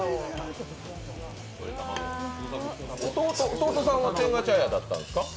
弟さんは天下茶屋だったんですか？